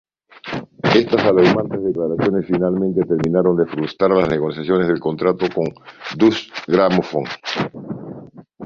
Estas alarmantes declaraciones finalmente terminaron de frustrar las negociaciones del contrato con Deutsche Grammophon.